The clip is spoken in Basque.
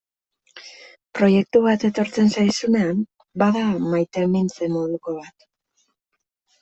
Proiektu bat etortzen zaizunean bada maitemintze moduko bat.